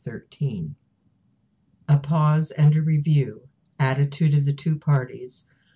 ] CHAPTER XIII. A Pause and a Review. Attitude of the Two Parties.